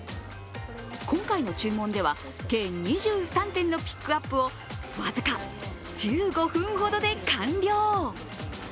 今回の注文では計２３点のピックアップを僅か１５分ほどで完了。